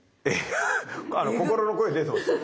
心の声出てますよ。